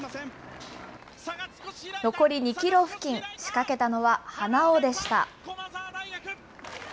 残り２キロ付近、仕掛けたのは、花尾でした。